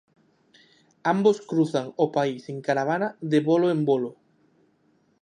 Ambos cruzan o pais en caravana de bolo en bolo.